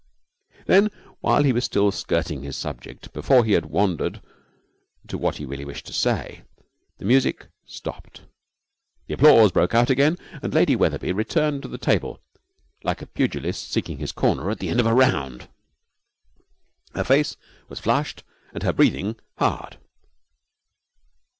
Then, while he was still skirting his subject, before he had wandered to what he really wished to say, the music stopped, the applause broke out again, and Lady Wetherby returned to the table like a pugilist seeking his corner at the end of a round. Her face was flushed and she was breathing hard.